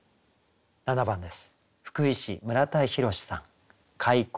７番です。